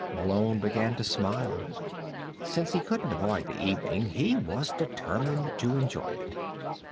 Malone began to smile. Since he couldn't avoid the evening, he was determined to enjoy it.